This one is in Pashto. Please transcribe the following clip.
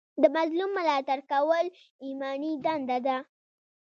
د مظلوم ملاتړ کول ایماني دنده ده.